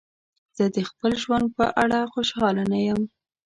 زه د خپل ژوند په اړه خوشحاله نه یم.